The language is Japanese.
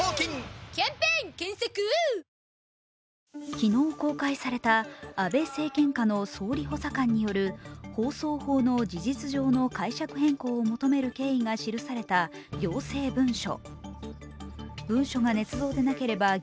昨日公開された、安倍政権下の総理補佐官による放送法の事実上の解釈変更を求める経緯が記された行政文書。